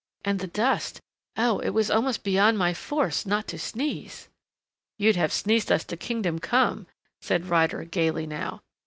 And the dust Oh, it was almost beyond my force not to sneeze " "You'd have sneezed us to Kingdom Come," said Ryder, gayly now.